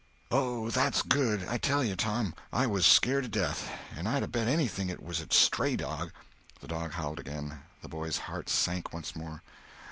] "Oh, that's good—I tell you, Tom, I was most scared to death; I'd a bet anything it was a stray dog." The dog howled again. The boys' hearts sank once more.